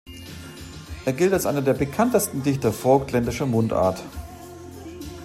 Er gilt als einer der bekanntesten Dichter vogtländischer Mundart.